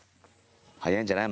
はやいんじゃない？